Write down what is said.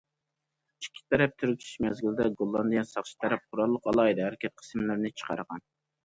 ئىككى تەرەپ تىركىشىش مەزگىلىدە، گوللاندىيە ساقچى تەرەپ قوراللىق ئالاھىدە ھەرىكەت قىسىملىرىنى چىقارغان.